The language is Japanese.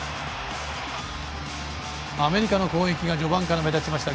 アメリカの攻撃が序盤から目立ちました。